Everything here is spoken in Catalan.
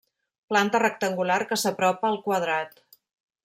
Planta rectangular que s'apropa al quadrat.